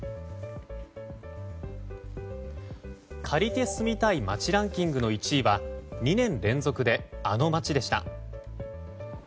借りて住みたい街ランキングの１位は２年連続であの街でした。